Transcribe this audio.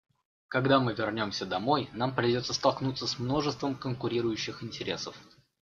Когда мы вернемся домой, нам придется столкнуться с множеством конкурирующих интересов.